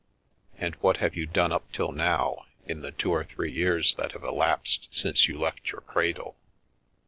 "And what have you done up till now, in the two or three years that have elapsed since you left your cradle?"